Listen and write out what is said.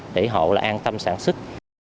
để hộ là an tâm sản xuất